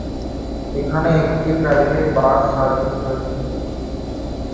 এখানে একটি private bus service রয়েছে।